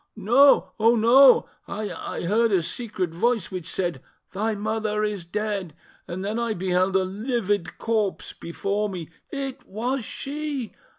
"No! oh no! ... I heard a secret voice which said, 'Thy mother is dead!' ... And then I beheld a livid corpse before me ... It was she!